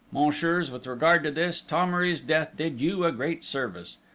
Messieurs, with regard to this, Thomery's death did you a great service....